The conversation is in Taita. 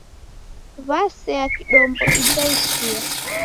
W'asea kidombo ija ichia.